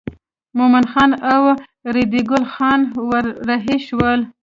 مومن خان او ریډي ګل خان ور رهي شول.